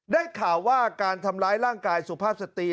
ได้ข่าวว่าการทำร้ายร่างกายสุภาพสตรี